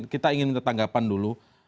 kita ingin minta tanggapan dulu